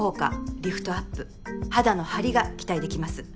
リフトアップ肌のハリが期待できます。